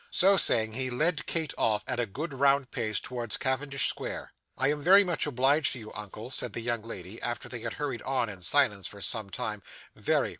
So saying, he led Kate off, at a good round pace, towards Cavendish Square. 'I am very much obliged to you, uncle,' said the young lady, after they had hurried on in silence for some time; 'very.